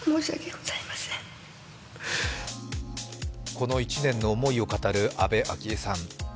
この１年の思いを語る安倍昭恵さん。